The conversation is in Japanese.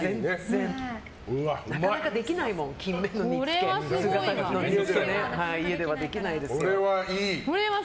なかなかできないもん金目の煮つけ姿煮の煮つけ、できないもん。